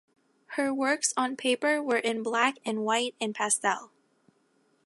Her works on paper were in black and white and pastel.